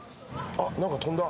あっ何か飛んだ。